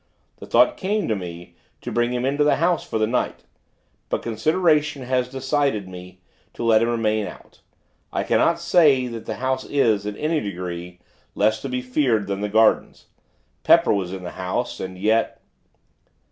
The thought came to me, to bring him into the house for the night; but consideration has decided me, to let him remain out. I cannot say that the house is, in any degree, less to be feared than the gardens. Pepper was in the house, and yet....